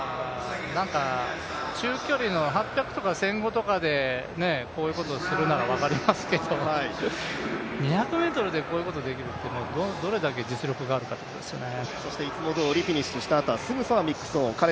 中距離の８００とか１５００でこういうことするなら分かりますけれども、２００ｍでこういうことできるって、どれだけ実力があるかということですね。